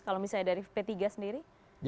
kalau misalnya dari p tiga sendiri